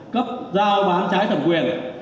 cấp giao bán trái thẩm quyền